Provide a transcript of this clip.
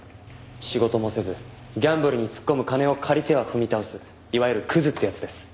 仕事もせずギャンブルに突っ込む金を借りては踏み倒すいわゆるクズってやつです。